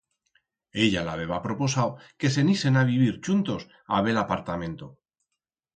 Ella l'habeba proposau que se'n isen a vivir chuntos a bell apartamento.